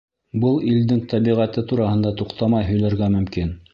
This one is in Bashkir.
Был илдең тәбиғәте тураһында туҡтамай һөйләргә мөмкин.